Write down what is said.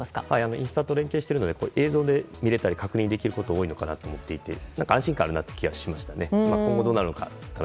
インスタと連携しているので映像で見れたり確認できたりすることが多いのかなと思っていて安心感がある気がしましたね。